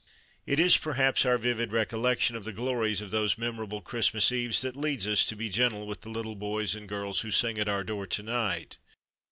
It is, perhaps, our vivid recollection of the glories of those memorable Christmas Eves that leads us to be gentle with the little boys and girls who sing at our door to night.